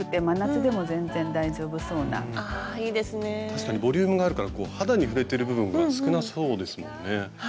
確かにボリュームがあるからこう肌に触れてる部分が少なそうですもんね。